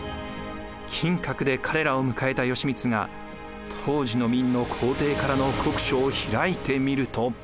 金閣で彼らを迎えた義満が当時の明の皇帝からの国書を開いてみると。